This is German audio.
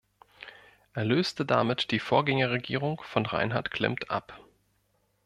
Er löste damit die Vorgängerregierung von Reinhard Klimmt ab.